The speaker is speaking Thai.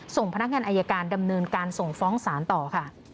ส่งพนักงานอายการดำเนินการส่งฟ้องศาลต่อค่ะ